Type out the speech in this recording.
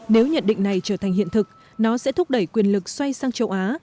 nếu nhận định này trở thành hiện thực nó sẽ thúc đẩy quyền lực xoay sang châu á